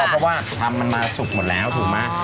เพราะว่าทำมันมาสุกหมดแล้วถูกไหม